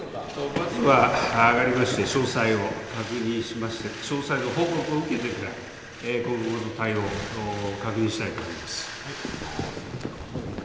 まずは上がりまして、詳細を確認しまして、詳細の報告を受けてから、今後の対応を確認したいと思います。